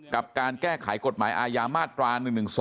กับการแก้ไขกฎหมายอาญามาตรา๑๑๒